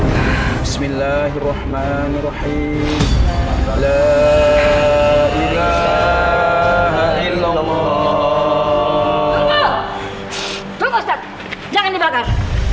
tunggu ustaz jangan dibakar